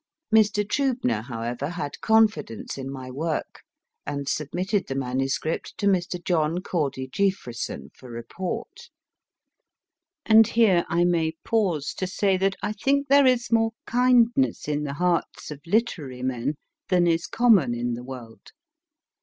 Mr. Triibner, however, had confidence in my \vork, and submitted the manuscript to Mr. John Cordy Jeaffreson for report ; and here I may pause to say that I think there is more kindness in the hearts of literary men than is common in the world.